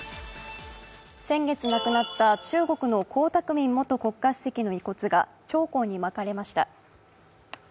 先月亡くなった中国の江沢民元国家主席の遺骨が長江にまかれました。